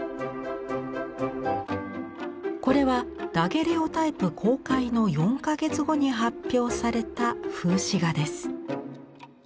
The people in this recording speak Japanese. これはダゲレオタイプ公開の４か月後に発表された風刺画です。